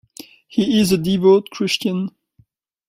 He is a devout Christian.